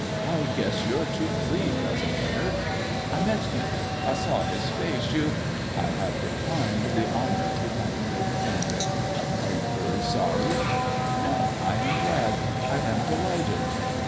" I guess you're too free, cousin Leonard." "I met Kendrick— I saw his face — you "" I have declined the honour of becoming Lady Kendrick. Are yon vnry aorry ?"" No, I am glad ! I am delighted